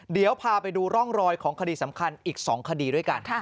เดี๋ยวพาไปดูร่องรอยของคดีสำคัญอีก๒คดีด้วยกัน